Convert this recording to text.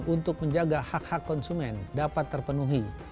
untuk menjaga hak hak konsumen dapat terpenuhi